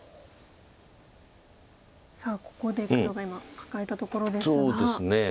さあここで黒が今カカえたところですが。